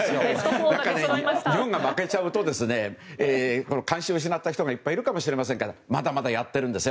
日本が負けちゃうと関心を失った人がいっぱいいるかもしれませんがまだまだやってるんですよ